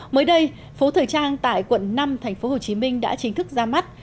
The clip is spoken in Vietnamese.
mới đây phố thời trang tại quận năm tp hcm đã chính thức ra mắt